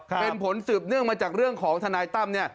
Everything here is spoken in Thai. เป็นผลสืบเนื่องมาจากเรื่องของทนายตั้มเนี่ย